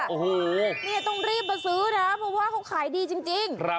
โอ้โหนี่ต้องรีบมาซื้อนะเพราะว่าเขาขายดีจริง